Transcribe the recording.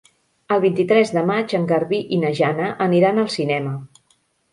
El vint-i-tres de maig en Garbí i na Jana aniran al cinema.